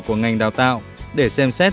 của ngành đào tạo để xem xét